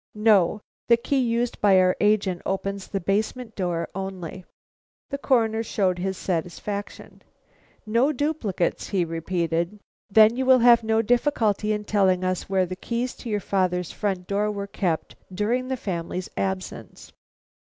"No. The key used by our agent opens the basement door only." The Coroner showed his satisfaction. "No duplicates," he repeated; "then you will have no difficulty in telling us where the keys to your father's front door were kept during the family's absence."